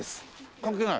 関係ない？